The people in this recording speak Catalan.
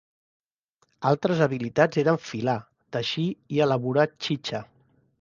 Altres habilitats eren filar, teixir i elaborar txitxa.